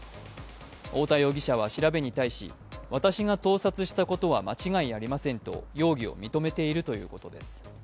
太田容疑者は調べに対し私が盗撮したことは間違いありませんと、容疑を認めているということです。